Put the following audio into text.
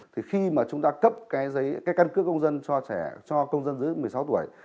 thì khi mà chúng ta cấp cái giấy căn cước công dân cho trẻ cho công dân dưới một mươi sáu tuổi